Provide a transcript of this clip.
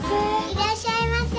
いらっしゃいませ。